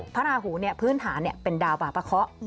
พระราหูพื้นฐานเป็นดาวบาปะเคาะ